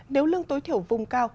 nếu lương tối thiểu vùng cao